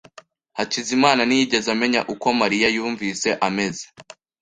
Hakizimana ntiyigeze amenya uko Mariya yumvise ameze.